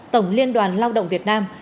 tổng liên đoàn lao động việt nam